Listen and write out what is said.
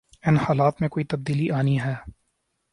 ان حالات میں کوئی تبدیلی آنی ہے۔